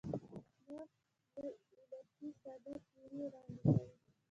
موږ یو علتي ساده تیوري وړاندې کړې.